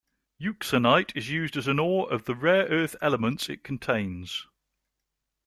Euxenite is used as an ore of the rare earth elements it contains.